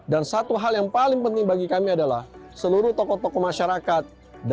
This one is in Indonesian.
dan satu hal yang paling penting bagi kami adalah seluruh tokoh tokoh masyarakat